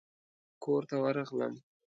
کورته ورغلم.